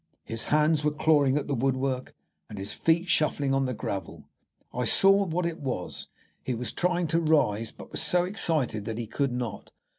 His hands were clawing at the woodwork, and his feet shuffling on the gravel. I saw what it was. He was trying to rise, but was so excited that he could not.